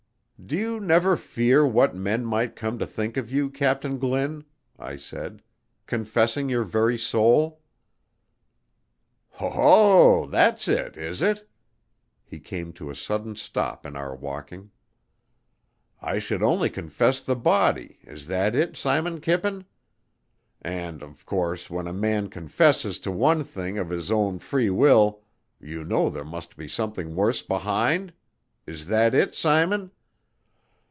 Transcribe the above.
"Do you never fear what men might come to think of you, Captain Glynn," I said, "confessing your very soul?" "Ho, ho, that's it, is it?" He came to a sudden stop in our walking. "I should only confess the body is that it, Simon Kippen? And, of course, when a man confesses to one thing of his own free will, you know there must be something worse behind? Is that it, Simon?"